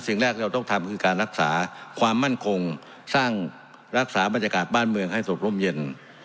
สิ่งแรกที่เราต้องทำคือการรักษาความมั่นคงสร้างรักษาบรรยากาศบ้านเมืองให้สกร่มเย็น